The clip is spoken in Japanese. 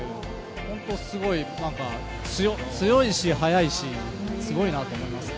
本当にすごい、強いし速いしすごいなって思いますね。